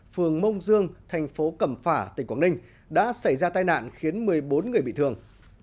phường mông dương thành phố cẩm phả tỉnh quảng ninh đã xảy ra tai nạn khiến một mươi bốn người bị thương